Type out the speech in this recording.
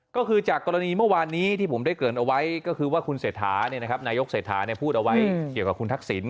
ก็คือจากกรณีเมื่อวานนี้ที่ผมได้เกิดเอาไว้ก็คือว่าคุณเศรษฐานายกเศรษฐาพูดเอาไว้เกี่ยวกับคุณทักษิณ